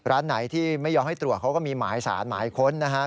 ร้านไหนที่ไม่ยอมให้ตรวจเขาก็มีหมายสารหมายค้นนะครับ